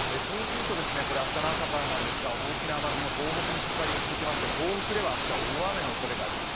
これ明日の朝からなんですが大きな雨雲が東北にかかり続けまして東北では明日大雨のおそれがあります。